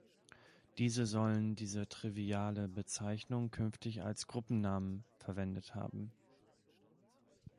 Diese sollen diese triviale Bezeichnung künftig als Gruppennamen verwendet haben.